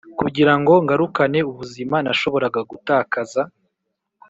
kugirango ngarukane ubuzima nashoboraga gutakaza